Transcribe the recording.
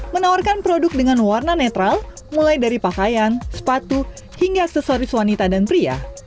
menawarkan produk dengan warna netral mulai dari pakaian sepatu hingga aksesoris wanita dan pria